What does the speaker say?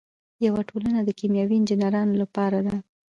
یوه ټولنه د کیمیاوي انجینرانو لپاره ده.